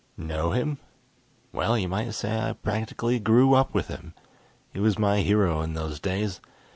Know him? Well you might say I practically grew up with him. He was my hero in those days.